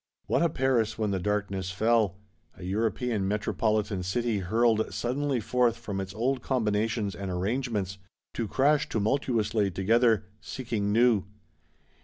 What a Paris, when the darkness fell! A European metropolitan City hurled suddenly forth from its old combinations and arrangements; to crash tumultuously together, seeking new.